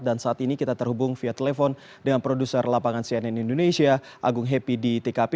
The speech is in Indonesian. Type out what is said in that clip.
dan saat ini kita terhubung via telepon dengan produser lapangan cnn indonesia agung happy di tkp